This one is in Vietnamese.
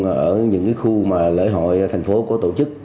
ở những khu mà lễ hội thành phố có tổ chức